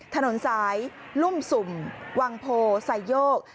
ถนนสายลุ่มสุ่มวังโพไซโยก